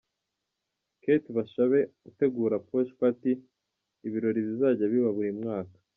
Kate Bashabe utegura 'Posh Party', ibirori bizajya biba buri mwaka.